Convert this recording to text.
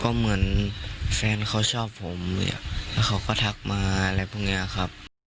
ก็เหมือนแฟนเขาชอบผมแล้วเขาก็ทักมาอะไรพวกนี้ครับ